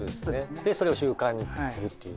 でそれを習慣にするっていう。